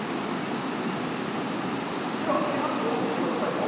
では炊飯器をオープンしてください。